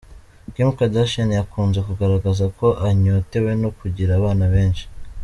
Kim Kardashian yakunze kugaragaza ko anyotewe no kugira abana benshi.